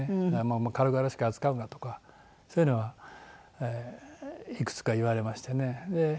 「軽々しく扱うな」とかそういうのはいくつか言われましてね。